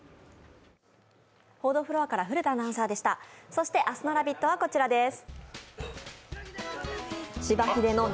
そして明日の「ラヴィット！」はこちらです。